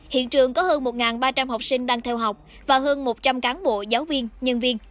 hiện trường có hơn một ba trăm linh học sinh đang theo học và hơn một trăm linh cán bộ giáo viên nhân viên